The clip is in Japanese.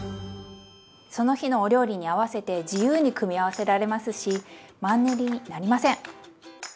その日のお料理に合わせて自由に組み合わせられますしマンネリになりません！